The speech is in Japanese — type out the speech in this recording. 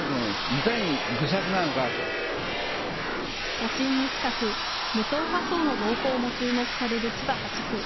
都心に近く、無党派層の動向も注目される千葉８区。